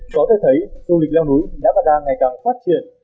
có thể thấy du lịch leo núi đã và đang ngày càng phát triển